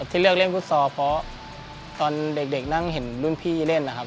ที่เลือกเล่นฟุตซอลเพราะตอนเด็กนั่งเห็นรุ่นพี่เล่นนะครับ